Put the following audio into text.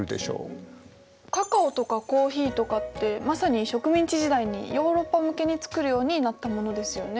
カカオとかコーヒーとかってまさに植民地時代にヨーロッパ向けに作るようになったものですよね。